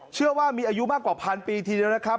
เชื่อว่ามีอายุมากกว่าพันปีทีเดียวนะครับ